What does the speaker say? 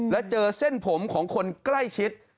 แล้วเจอเส้นผมของคนใกล้ชิด